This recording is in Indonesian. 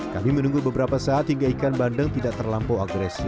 kami menunggu beberapa saat hingga ikan bandeng tidak terlampau agresif